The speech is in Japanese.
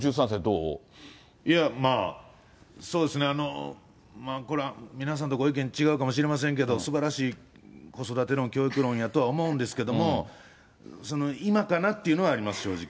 まあ、そうですね、これは皆さんとご意見違うかもしれませんけれども、すばらしい子育て論、教育論やとは思うんですけども、今かなっていうのはあります、正直。